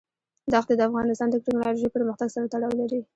دښتې د افغانستان د تکنالوژۍ پرمختګ سره تړاو لري.